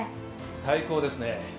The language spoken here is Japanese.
最高ですねえ。